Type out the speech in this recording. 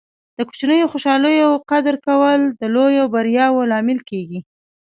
د کوچنیو خوشحالۍو قدر کول د لویو بریاوو لامل کیږي.